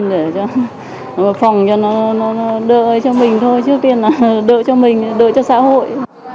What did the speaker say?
để phòng cho nó đợi cho mình thôi trước tiên là đợi cho mình đợi cho xã hội